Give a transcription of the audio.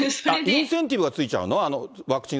インセンティブがついちゃうの？